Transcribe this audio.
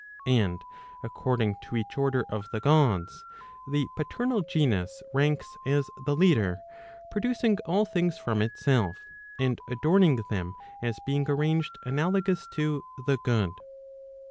And according to each order of the Gods, the paternal genus ranks as the leader, producing all things from itself, and adorning them, as being arranged analogous to the good.